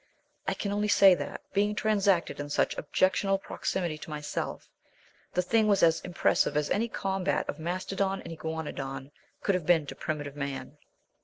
I can only say that, being transacted in such objectionable proximity to myself, the thing was as impressive as any combat of mastodon and iguanodon could have been to primitive man.